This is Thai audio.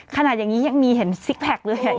ขนาดนี้ยังมีเห็นซิกแพคเลย